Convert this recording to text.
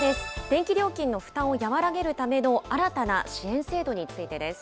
電気料金の負担を和らげるための新たな支援制度についてです。